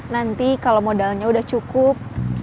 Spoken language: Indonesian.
nanti kalau modalnya sudah cukup